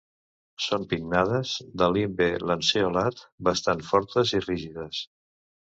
Són pinnades, de limbe lanceolat, bastant fortes i rígides.